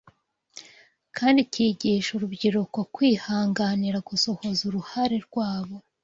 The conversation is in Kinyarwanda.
kandi kikigisha urubyiruko kwihanganira gusohoza uruhare rwabo